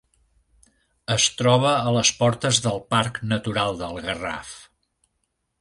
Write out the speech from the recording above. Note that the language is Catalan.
Es troba a les portes del Parc Natural del Garraf.